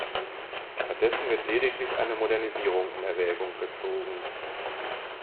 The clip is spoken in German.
Stattdessen wird lediglich eine Modernisierung in Erwägung gezogen.